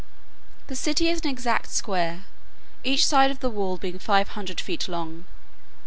The city is an exact square, each side of the wall being five hundred feet long.